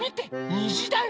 にじだよ。